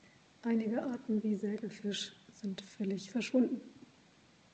Einige Arten wie Sägefisch sind völlig verschwunden.